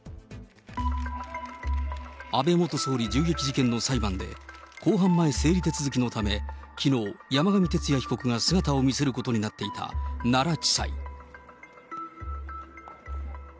安倍元総理銃撃事件の裁判で、公判前整理手続きのため、きのう、山上徹也被告が姿を見せることになっていた奈良地裁。